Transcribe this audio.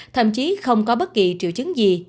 thậm chí không có bất kỳ triệu chứng gì